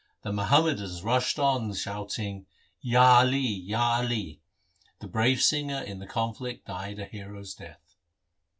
The Muhammadans rushed on shouting ' Ya Ali ! Ya AH !' The brave Singha in the conflict died a hero's death.